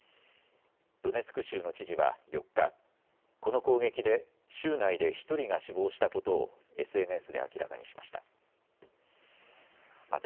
ドネツク州の知事は４日、この攻撃で州内で１人が死亡したことをＳＮＳで明らかにしました。